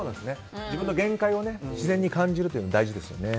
自分の限界を、自然に感じるというのは大事ですよね。